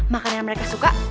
makanan yang mereka suka